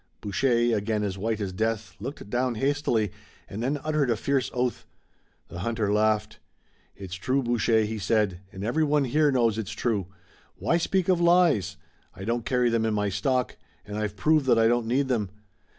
Boucher, again as white as death, looked down hastily, and then uttered a fierce oath. The hunter laughed. "It's true, Boucher," he said, "and everyone here knows it's true. Why speak of lies? I don't carry them in my stock, and I've proved that I don't need them.